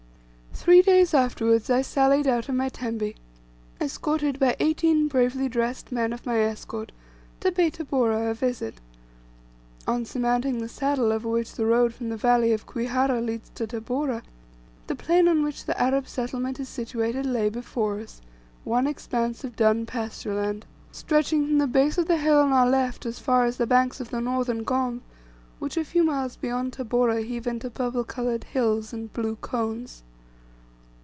Three days afterwards I sallied out of my tembe, escorted by eighteen bravely dressed men of my escort, to pay Tabora a visit. On surmounting the saddle over which the road from the valley of Kwihara leads to Tabora, the plain on which the Arab settlement is situated lay before us, one expanse of dun pasture land, stretching from the base of the hill on our left as far as the banks of the northern Gombe, which a few miles beyond Tabora heave into purple coloured hills and blue cones.